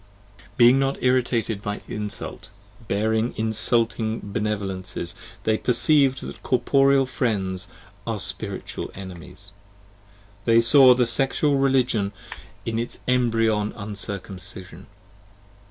Being not irritated by insult, bearing insulting benevolences, 10 They percieved that corporeal friends are spiritual enemies : They saw the Sexual Religion in its embryon Uncircumcision.